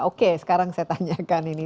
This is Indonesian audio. oke sekarang saya tanyakan ini